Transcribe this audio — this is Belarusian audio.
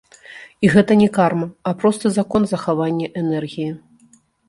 І гэта не карма, а просты закон захавання энергіі.